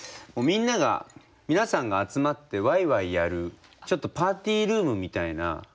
みんなが皆さんが集まってワイワイやるちょっとパーティールームみたいな。